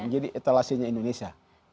jadi etalasenya indonesia